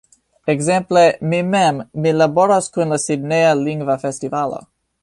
Ekzemple, mi mem, mi laboras kun la Sidneja Lingva Festivalo.